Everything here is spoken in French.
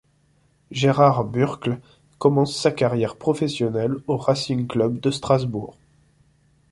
Gérard Burkle commence sa carrière professionnelle au Racing Club de Strasbourg.